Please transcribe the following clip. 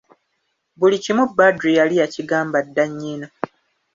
Buli kimu Badru yali yakigamba dda nnyina.